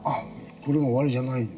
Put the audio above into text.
「これは終わりじゃないんだ。